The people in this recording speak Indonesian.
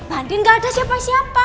banding gak ada siapa siapa